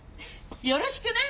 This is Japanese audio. よろしくね！